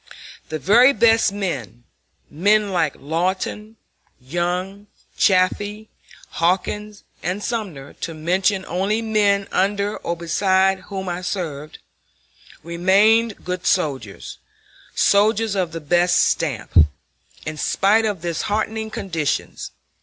The very best men, men like Lawton, Young, Chaffee, Hawkins, and Sumner, to mention only men under or beside whom I served, remained good soldiers, soldiers of the best stamp, in spite of the disheartening conditions.